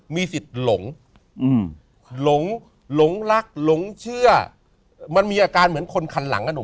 มีสิทธิ์หลงหลงหลงรักหลงเชื่อมันมีอาการเหมือนคนคันหลังอ่ะหนู